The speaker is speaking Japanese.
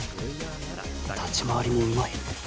立ち回りもうまい